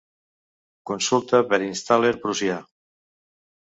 Consulta Vereinstaler prussià.